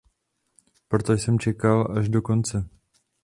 Proto jsem čekal až do konce.